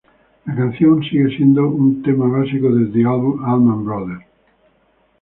La canción sigue siendo un tema básico de The Allman Bros.